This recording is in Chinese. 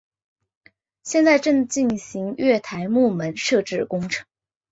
现在正进行月台幕门设置工程。